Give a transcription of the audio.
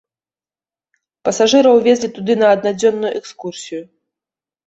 Пасажыраў везлі туды на аднадзённую экскурсію.